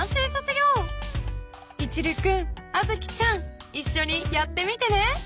［いちる君あづきちゃんいっしょにやってみてね］